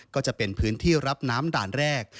ก็จะเป็นพื้นที่รับน้ำด่านแรก